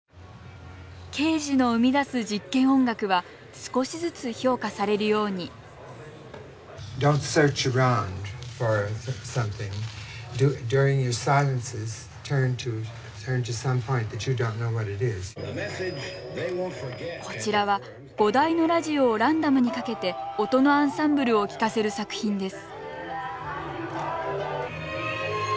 ケージの生み出す実験音楽は少しずつ評価されるようにこちらは５台のラジオをランダムにかけて音のアンサンブルを聴かせる作品です